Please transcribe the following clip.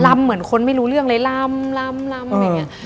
รำเหมือนคนไม่รู้เรื่องเลยรำอย่างนี้